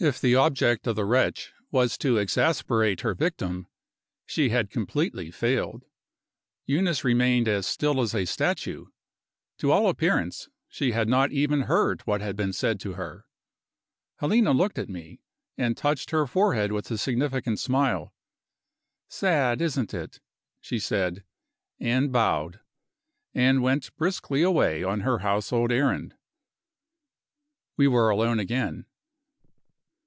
If the object of the wretch was to exasperate her victim, she had completely failed. Eunice remained as still as a statue. To all appearance, she had not even heard what had been said to her. Helena looked at me, and touched her forehead with a significant smile. "Sad, isn't it?" she said and bowed, and went briskly away on her household errand. We were alone again.